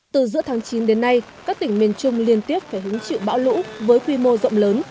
từ giữa tháng chín đến nay các tỉnh miền trung liên tiếp phải hứng chịu bão lũ với quy mô rộng lớn